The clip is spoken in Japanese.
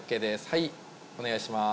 はいお願いします